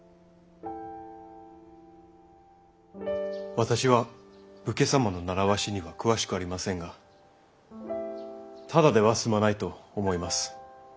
私は武家様の習わしには詳しくありませんがただでは済まないと思います。